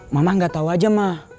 mama gak tahu aja mah